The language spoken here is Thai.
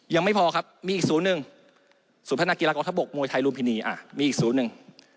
ยังไม่พอครับมีอีกศูนย์หนึ่งศูนย์พัฒนากีฬากองทบกมวยไทยลุมพินีมีอีกศูนย์หนึ่ง